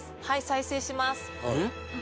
はい再生します